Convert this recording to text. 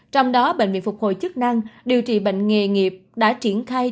trong đó bệnh viện phục hồi chức năng điều trị bệnh nghề nghiệp đã triển khai